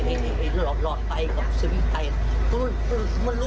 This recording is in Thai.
คุณยายไม่ได้เอาไฟหมดเลยค่ะ